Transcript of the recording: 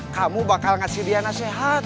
kamu bakal ngasih dia nasehat